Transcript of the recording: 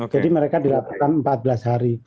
jadi mereka dilakukan empat belas hari